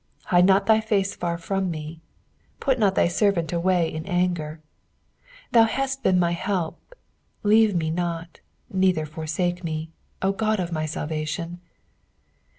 9 Hide not thy face far from me ; put not thy servant away in anger : thou hast been my help ; leave me not, neither forsake me, O God of my salvation.